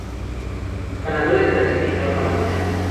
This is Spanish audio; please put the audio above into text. Los ganadores clasificaron a la final.